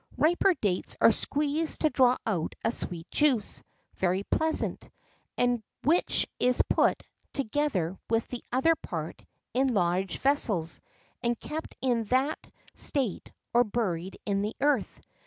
Riper dates are squeezed to draw out a sweet juice, very pleasant, and which is put, together with the other part, in large vessels, and kept in that state, or buried in the earth.